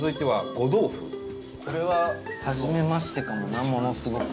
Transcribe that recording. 八乙女：これははじめましてかもなものすごく。